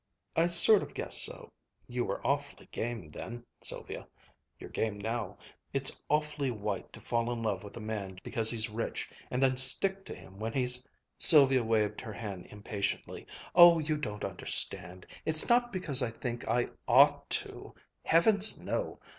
"I sort of guessed so. You were awfully game, then, Sylvia. You're game now it's awfully white to fall in love with a man because he's rich and then stick to him when he's " Sylvia waved her hand impatiently. "Oh, you don't understand. It's not because I think I ought to Heavens, no!